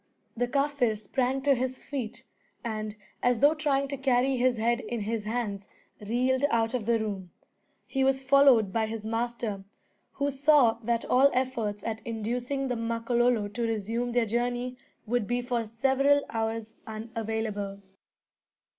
The Kaffir sprang to his feet, and, as though trying to carry his head in his hands, reeled out of the room. He was followed by his master, who saw that all efforts at inducing the Makololo to resume their journey would be for several hours unavailable.